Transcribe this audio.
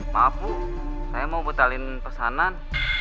maaf bu saya mau batalin pesanan